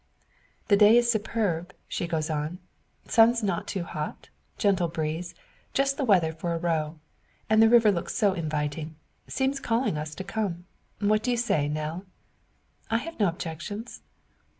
"The day's superb," she goes on; "sun's not too hot gentle breeze just the weather for a row. And the river looks so inviting seems calling us to come! What say you, Nell?" "Oh! I've no objections."